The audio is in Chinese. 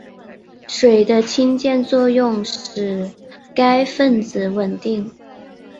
水的氢键作用使该分子稳定。